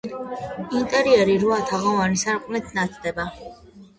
ინტერიერი რვა თაღოვანი სარკმლით ნათდება.